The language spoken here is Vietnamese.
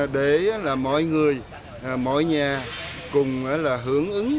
để mọi người mọi nhà cùng hưởng ứng